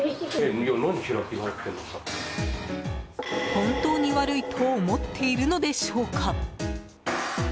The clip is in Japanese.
本当に悪いと思っているのでしょうか。